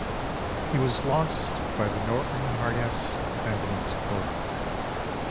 He was lost by the Norton Harjes Ambulance Corps.